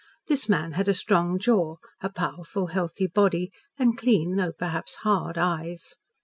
This man had a strong jaw, a powerful, healthy body, and clean, though perhaps hard, eyes.